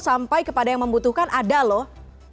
sampai kepada yang membutuhkan ada loh